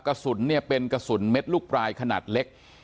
กระสุนเนี่ยเป็นกระสุนเม็ดลูกปลายขนาดเล็ก